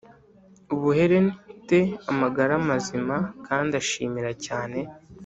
Ubu Helen te amagara mazima kandi ashimira cyane